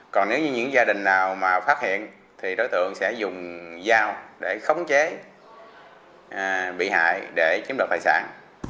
còn nếu như những gia đình nào mà phát hiện thì đối tượng sẽ dùng dao để khống chế bị hại để chiếm đoạt tài sản